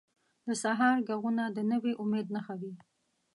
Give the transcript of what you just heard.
د سهار ږغونه د نوي امید نښه وي.